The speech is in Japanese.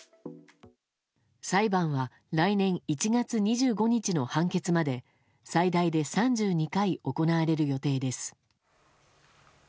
裁判は来年１月２５日の判決まで最大で３２回行われる予定です。